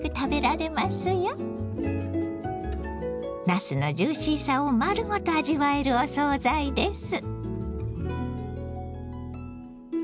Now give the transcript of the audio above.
なすのジューシーさを丸ごと味わえるお総菜です。